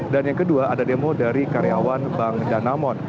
dan yang kedua demo dari bank danamon